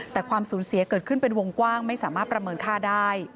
แต่ความสูญเสียเกิดขึ้นเป็นวงกว้างไม่สามารถประเมินค่าได้